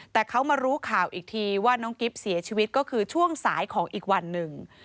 แต่เขามารู้ข่าวอีกทีว่าน้องกิ๊บเสียชีวิตก็คือช่วงสายของอีกวันหนึ่ง